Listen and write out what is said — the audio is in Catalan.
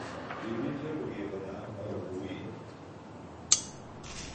diumenge hauria d'anar a Arbolí.